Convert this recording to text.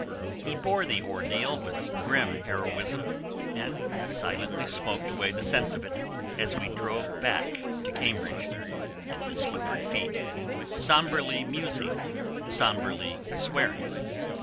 He bore the ordeal with grim heroism, and silently smoked away the sense of it, as we drove back to Cambridge, in his slippered feet, sombrely musing, sombrely swearing.